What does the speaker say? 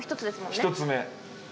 １つ目。